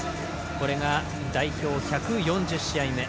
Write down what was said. これが代表１４０試合目。